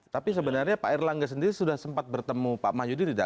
tapi sebenarnya pak erlangga sendiri sudah sempat bertemu pak mahyudi tidak